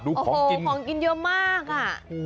ดูของกินโอ้โหของกินเยอะมากอ่ะ